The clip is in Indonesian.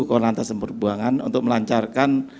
koronatas dan perbuangan untuk melancarkan